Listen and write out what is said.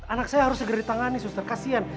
anak saya harus segera ditangani suster kasihan